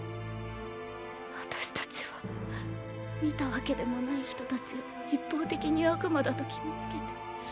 私たちは見たわけでもない人たちを一方的に悪魔だと決めつけて。